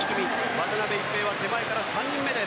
渡辺一平は手前から３人目。